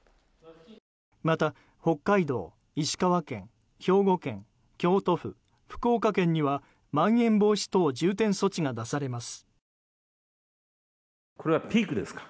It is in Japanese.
また北海道、石川県、兵庫県京都府、福岡県にはまん延防止等重点措置が出されます。